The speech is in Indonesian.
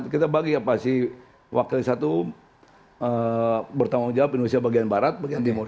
kita bagi apa sih wakil satu bertanggung jawab indonesia bagian barat bagian timur